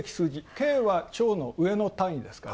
京は兆の上の単位ですから。